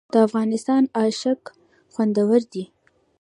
د افغانستان اشک خوندور دي